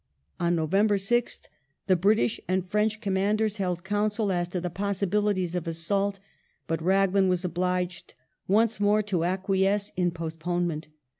On November 6th the British and French com manders held counsel as to the possibilities of assault, but Raglan was obliged once more to acquiesce in postponement.